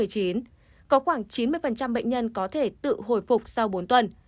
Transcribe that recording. có khoảng chín mươi bệnh nhân có thể tự hồi phục sau bốn tuần